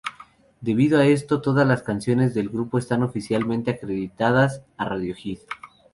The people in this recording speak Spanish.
Debido a esto, todas las canciones del grupo están oficialmente acreditadas a Radiohead.